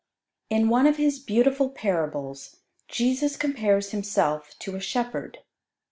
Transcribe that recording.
In one of His beautiful parables, Jesus compares Himself to a shepherd.